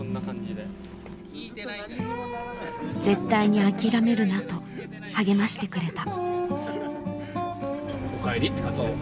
「絶対に諦めるな」と励ましてくれた。